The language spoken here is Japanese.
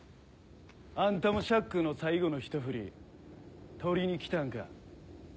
あんたも赤空の最後のひと振り取りに来たんか。